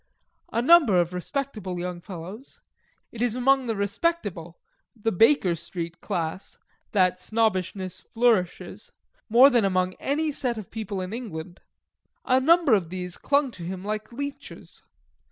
A number of respectable young fellows, (it is among the respectable, the Baker Street class, that Snobbishness flourishes, more than among any set of people in England) a number of these clung to him like leeches.